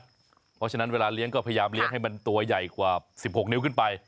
เพราะฉะนั้นเวลาเลี้ยงก็พยายามเลี้ยงให้มันตัวใหญ่กว่า๑๖นิ้วขึ้นไป